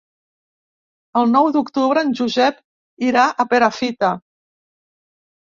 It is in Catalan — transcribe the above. El nou d'octubre en Josep irà a Perafita.